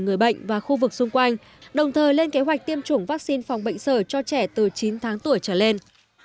người bệnh và khu vực xung quanh đồng thời lên kế hoạch tiêm chủng vaccine phòng bệnh sở cho trẻ từ chín tháng tuổi trở lên